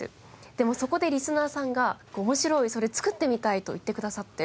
でもそこでリスナーさんが「面白いそれ作ってみたい」と言ってくださって。